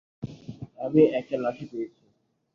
আমি একটা লাঠি পেয়েছি।